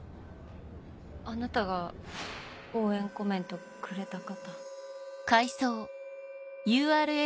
あなたが応援コメントくれた方？